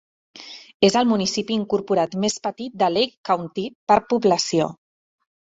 És el municipi incorporat més petit de Lake County per població.